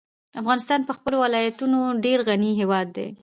افغانستان په خپلو ولایتونو ډېر غني هېواد دی.